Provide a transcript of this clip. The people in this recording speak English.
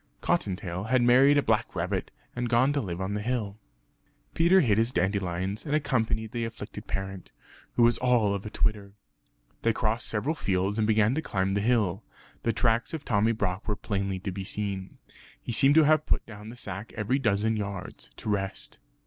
(Cottontail had married a black rabbit, and gone to live on the hill). Peter hid his dandelions, and accompanied the afflicted parent, who was all of a twitter. They crossed several fields and began to climb the hill; the tracks of Tommy Brock were plainly to be seen. He seemed to have put down the sack every dozen yards, to rest.